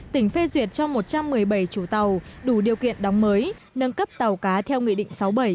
tỉnh phê duyệt cho một trăm một mươi bảy chủ tàu đủ điều kiện đóng mới nâng cấp tàu cá theo nghị định sáu mươi bảy